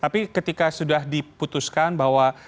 tapi ketika sudah diputuskan bahwa